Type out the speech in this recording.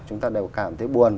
chúng ta đều cảm thấy buồn